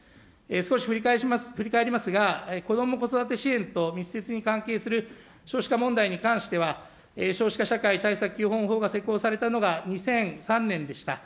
少し振り返りますが、こども子育て支援と密接に関係する少子化問題に関しては、少子化社会対策基本法が施行されたのが２００３年でした。